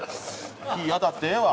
当たってええわ。